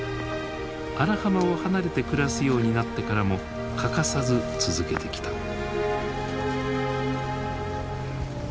荒浜を離れて暮らすようになってからも欠かさず続けてきた。